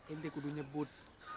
inti kudunya bud